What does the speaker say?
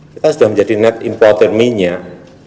kita sudah menjadi net importer minyak